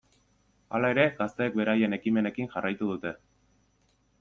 Hala ere, gazteek beraien ekimenekin jarraitu dute.